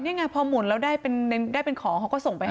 นี่ไงพอหมุนแล้วได้เป็นของเขาก็ส่งไปให้